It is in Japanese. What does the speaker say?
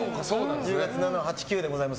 １０月７、８、９でございます。